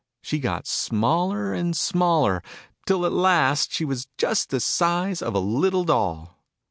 She got smaller, and smaller, till at last she was just the size of a little doll